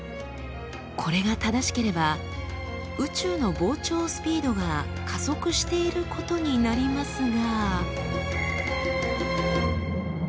これが正しければ宇宙の膨張スピードが加速していることになりますが。